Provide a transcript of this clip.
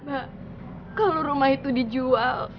pak kalau rumah itu dijual